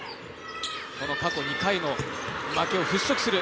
過去２回の負けを払しょくする。